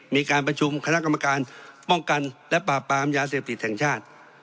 มีการประชุมคณะกรรมการป้องกันและปราบปรามยาเสพติดแห่งชาติ